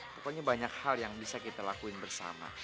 pokoknya banyak hal yang bisa kita lakuin bersama